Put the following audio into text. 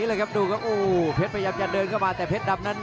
อื้อหือจังหวะขวางแล้วพยายามจะเล่นงานด้วยซอกแต่วงใน